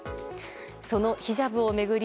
そのヒジャブを巡り